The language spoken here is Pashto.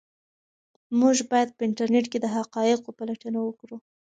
موږ باید په انټرنيټ کې د حقایقو پلټنه وکړو.